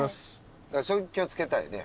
それ気を付けたいね。